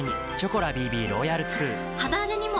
肌荒れにも！